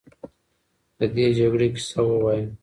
د دې جګړې کیسه ووایه.